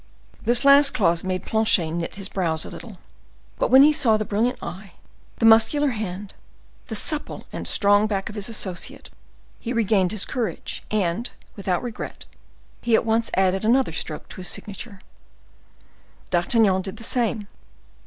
'" This last clause made Planchet knit his brows a little, but when he saw the brilliant eye, the muscular hand, the supple and strong back of his associate, he regained his courage, and, without regret, he at once added another stroke to his signature. D'Artagnan did the same.